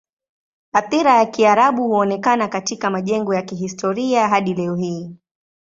Athira ya Kiarabu huonekana katika majengo ya kihistoria hadi leo hii.